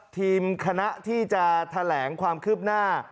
ทีมคณะที่จะแถลงความคืบหน้า